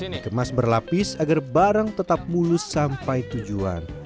dikemas berlapis agar barang tetap mulus sampai tujuan